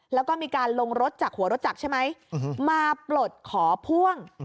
แล้วก็มีการลงรถจากหัวรถจักรใช่ไหมมาปลดขอพ่วง